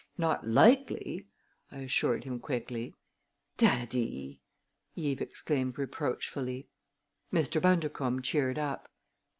"Not likely!" I assured him quickly. "Daddy!" Eve exclaimed reproachfully. Mr. Bundercombe cheered up.